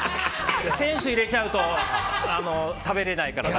選手を入れちゃうと食べれないから。